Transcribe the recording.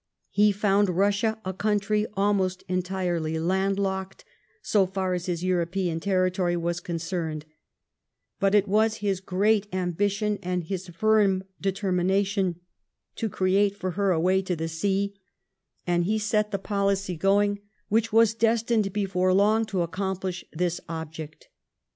He found Eussia a country almost entirely land locked so far as his European territory was concerned, but it was his great ambition and his firm determination to create foi* her a way to the sea, and he set the poHcy going which was destined before long to accomplish his object.